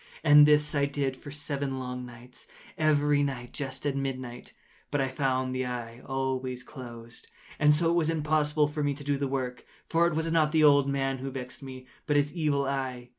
And this I did for seven long nights—every night just at midnight—but I found the eye always closed; and so it was impossible to do the work; for it was not the old man who vexed me, but his Evil Eye.